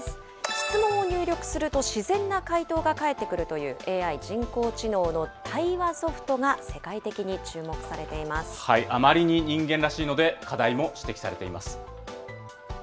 質問を入力すると、自然な回答が返ってくるというＡＩ・人工知能の対話ソフトが世界あまりに人間らしいので、課題も指摘されています。